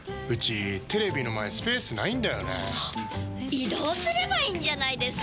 移動すればいいんじゃないですか？